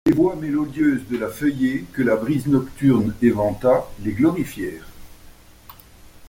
Les voix mélodieuses de la feuillée, que la brise nocturne éventa, les glorifièrent.